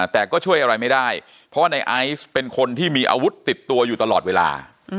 แต่ก็ช่วยอะไรไม่ได้เพราะว่าในไอซ์เป็นคนที่มีอาวุธติดตัวอยู่ตลอดเวลา